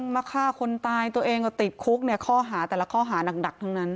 มาฆ่าคนตายตัวเองก็ติดคุกเนี่ยข้อหาแต่ละข้อหานักทั้งนั้น